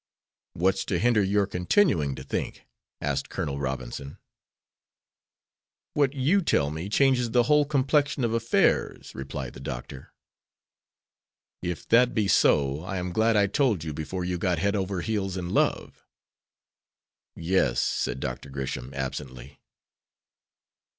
"What's to hinder your continuing to think?" asked Col. Robinson. "What you tell me changes the whole complexion of affairs," replied the doctor. "If that be so I am glad I told you before you got head over heels in love." "Yes," said Dr. Gresham, absently.